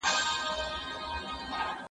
کتابتون د مور له خوا پاک ساتل کيږي